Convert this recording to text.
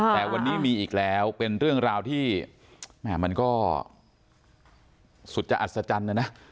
แต่วันนี้มีอีกแล้วเป็นเรื่องราวที่มันก็สุดจะอัศจรรย์นะนะ